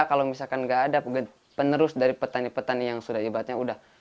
kalau misalkan nggak ada penerus dari petani petani yang sudah hebatnya udah